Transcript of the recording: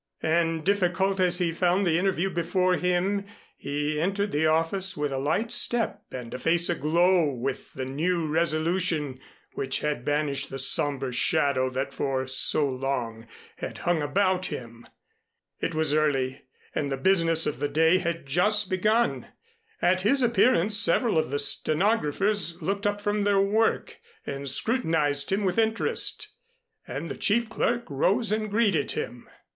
And difficult as he found the interview before him, he entered the office with a light step and a face aglow with the new resolution which had banished the somber shadow that for so long had hung about him. It was early, and the business of the day had just begun. At his appearance several of the stenographers looked up from their work and scrutinized him with interest, and the chief clerk rose and greeted him.